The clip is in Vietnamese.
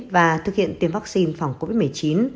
và thực hiện tiêm vaccine phòng covid một mươi chín